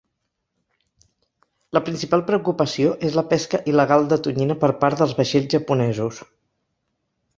La principal preocupació és la pesca il·legal de tonyina per part dels vaixells japonesos.